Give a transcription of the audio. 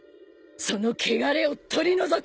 その穢れを取り除く。